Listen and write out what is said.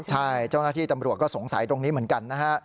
ใช่เจ้าหน้าที่ตำรวจก็สงสัยตรงนี้เหมือนกันนะฮะ